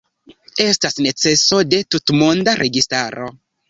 Estas neceso de tutmonda registaro.